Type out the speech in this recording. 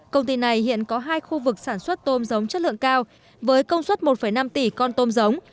công ty này hiện có hai khu vực sản xuất tôm giống chất lượng cao với công suất một năm tỷ con tôm giống